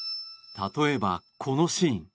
例えば、このシーン。